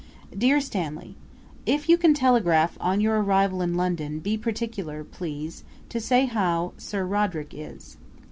Dear Stanley, If you can telegraph on your arrival in London, be particular, please, to say how Sir Roderick is.